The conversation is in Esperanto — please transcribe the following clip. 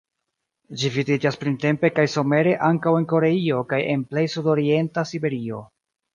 Ĝi vidiĝas printempe kaj somere ankaŭ en Koreio kaj en plej sudorienta Siberio.